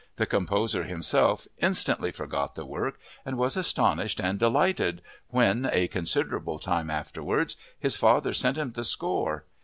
The composer himself instantly forgot the work and was astonished and delighted when, a considerable time afterwards, his father sent him the score.